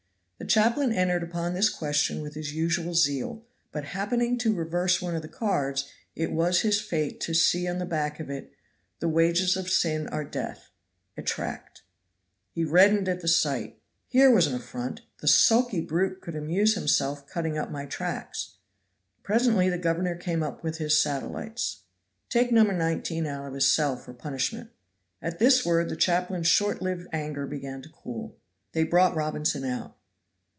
The chaplain entered upon this question with his usual zeal; but happening to reverse one of the cards, it was his fate to see on the back of it: "THE WAGES OF SIN ARE DEATH." A Tract. He reddened at the sight. Here was an affront! "The sulky brute could amuse himself cutting up my tracts!" Presently the governor came up with his satellites. "Take No. 19 out of his cell for punishment." At this word the chaplain's short lived anger began to cool. They brought Robinson out.